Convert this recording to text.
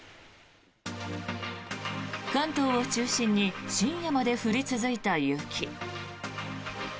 関東を中心に深夜まで降り続いた雪。